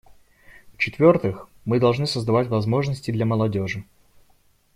В-четвертых, мы должны создавать возможности для молодежи.